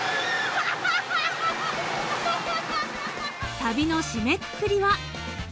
［旅の締めくくりは］